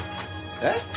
えっ！？